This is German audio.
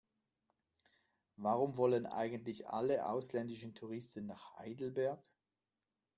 Warum wollen eigentlich alle ausländischen Touristen nach Heidelberg?